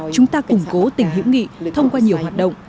chúng ta củng cố tình hữu nghị thông qua nhiều hoạt động